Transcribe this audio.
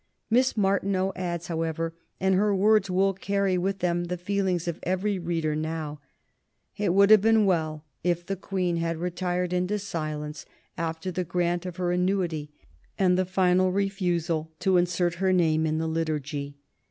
Miss Martineau adds, however, and her words will carry with them the feelings of every reader now, "It would have been well if the Queen had retired into silence after the grant of her annuity and the final refusal to insert her name in the Liturgy."